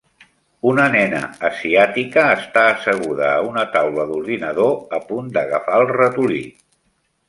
Una nena asiàtica està asseguda a una taula d'ordinador a punt d'agafar el ratolí.